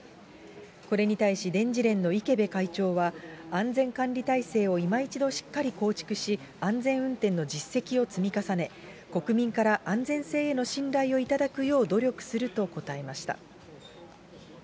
これに対し、電事連の池辺会長は、安全管理体制を今一度しっかり構築し、安全運転の実績を積み重ね、国民から安全性への信頼をいただくよう努力すると答えました。